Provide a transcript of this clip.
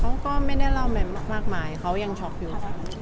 เขาก็ไม่ได้เล่าอะไรมากมายเขายังช็อกอยู่